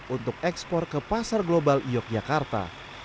untuk ekspor ke pasar global yogyakarta